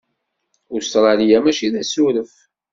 Ustṛalya mačči d asuref.